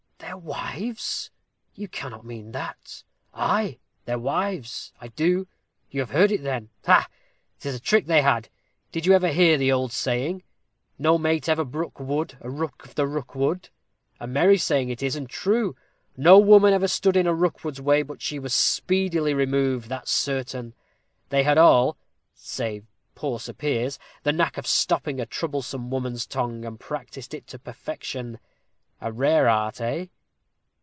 "Their wives! you cannot mean that?" "Ay, their wives! I do. You have heard it, then? Ha! ha! 'tis a trick they had. Did you ever hear the old saying? No mate ever brook would A Rook of the Rookwood! A merry saying it is, and true. No woman ever stood in a Rookwood's way but she was speedily removed that's certain. They had all, save poor Sir Piers, the knack of stopping a troublesome woman's tongue, and practised it to perfection. A rare art, eh?"